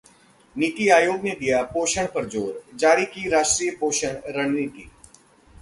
नीति आयोग ने दिया पोषण पर जोर, जारी की राष्ट्रीय पोषण रणनीति